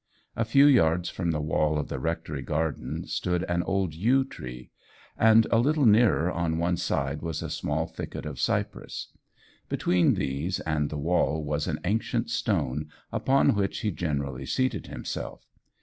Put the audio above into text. A few yards from the wall of the rectory garden stood an old yew tree, and a little nearer on one side was a small thicket of cypress; between these and the wall was an ancient stone upon which he generally seated himself.